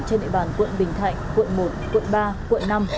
trên địa bàn quận bình thạnh quận một quận ba quận năm